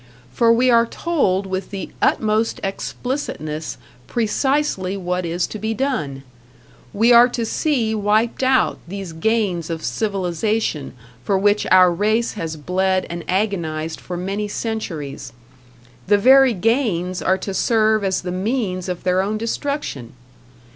For we are told with the utmost explicitness precisely what is to be done. We are to see wiped out these gains of civilization for which our race has bled and agonized for many centuries; the very gains are to serve as the means of their own destruction!